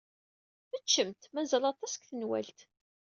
Ččemt. Mazal aṭas deg tenwalt.